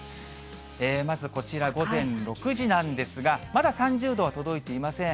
まずこちら、午前６時なんですが、まだ３０度は届いていません。